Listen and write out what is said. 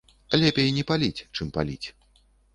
Лепей не паліць, чым паліць.